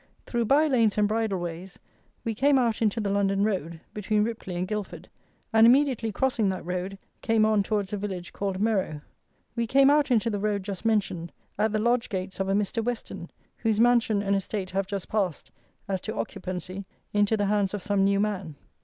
Through bye lanes and bridle ways we came out into the London road, between Ripley and Guildford, and immediately crossing that road, came on towards a village called Merrow. We came out into the road just mentioned, at the lodge gates of a Mr. Weston, whose mansion and estate have just passed (as to occupancy) into the hands of some new man.